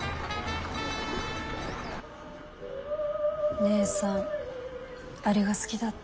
姉さんあれが好きだった。